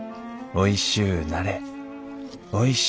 おいしゅうなれよし。